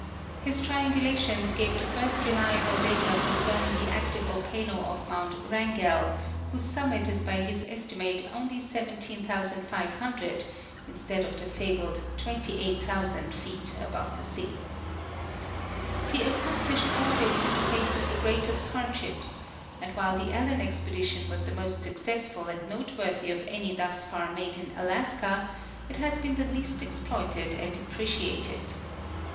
His triangulations gave the first reliahle data concerning the active volcano of mount Wrangell, whose summit is by his estimate onl}^ 17,500 instead of the fabled 28,000 feet al)ove the sea. He accomplished all this in the face of the greatest hardships; and while the Allen expedition was the most successful and noteworthy of any thus far made in Alaska, it has been the least exploited and appreciated.